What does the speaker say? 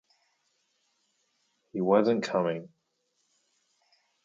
He wasn’t coming.